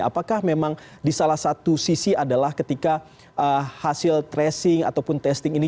apakah memang di salah satu sisi adalah ketika hasil tracing ataupun testing ini